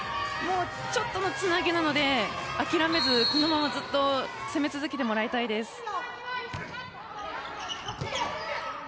ちょっとのつなぎなので諦めず、このままずっと攻め続けてもらいたいです。